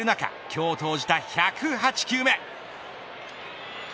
今日投じた１０８球目。